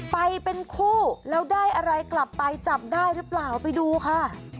ไปเป็นคู่แล้วได้อะไรกลับไปจับได้หรือเปล่าไปดูค่ะ